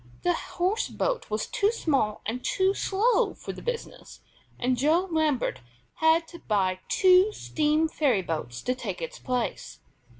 The horse boat was too small and too slow for the business, and Joe Lambert had to buy two steam ferry boats to take its place.